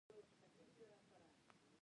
حال دا چې هغه پخپله مسوول نه دی.